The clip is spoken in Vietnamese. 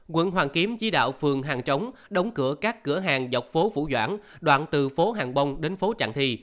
quận hoàn kiếm chỉ đạo phường hàng trống đóng cửa các cửa hàng dọc phố phủ doãn đoạn từ phố hàng bông đến phố trạng thi